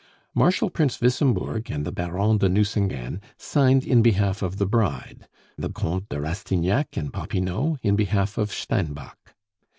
Marshal Prince Wissembourg and the Baron de Nucingen signed in behalf of the bride, the Comtes de Rastignac and Popinot in behalf of Steinbock.